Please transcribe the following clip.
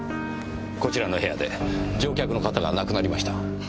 こちらの部屋で乗客の方が亡くなりました。